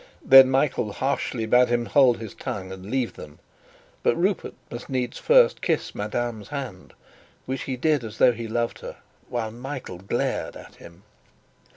Then Michael harshly bade him hold his tongue, and leave them; but Rupert must needs first kiss madame's hand, which he did as though he loved her, while Michael glared at him.